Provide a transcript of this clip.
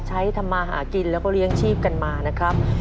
ทำมาหากินแล้วก็เลี้ยงชีพกันมานะครับ